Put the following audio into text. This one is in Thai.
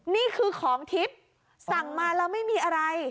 นี่คือของทิพย์สั่งมาแล้วไม่มีอะไร